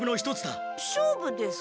勝負ですか？